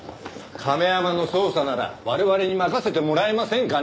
亀山の捜査なら我々に任せてもらえませんかね。